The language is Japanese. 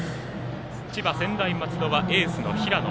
千葉・専大松戸はエースの平野。